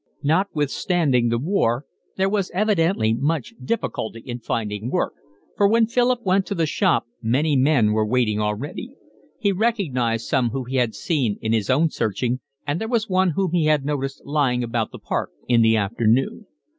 Notwithstanding the war there was evidently much difficulty in finding work, for when Philip went to the shop many men were waiting already. He recognised some whom he had seen in his own searching, and there was one whom he had noticed lying about the park in the afternoon.